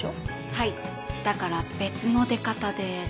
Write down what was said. はいだから別の出方で。